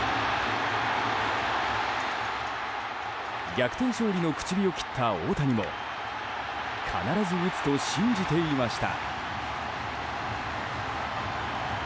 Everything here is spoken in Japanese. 逆転勝利の口火を切った大谷も必ず打つと信じていました。